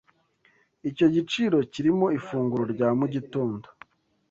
Icyo giciro kirimo ifunguro rya mugitondo?